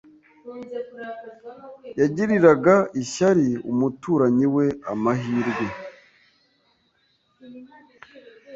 Yagiriraga ishyari umuturanyi we amahirwe.